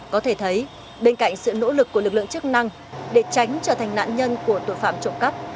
có thể thấy bên cạnh sự nỗ lực của lực lượng chức năng để tránh trở thành nạn nhân của tội phạm trộm cắp